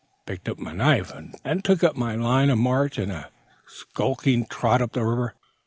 "I picked up my knife, and took up my line of march in a skulking trot up the river.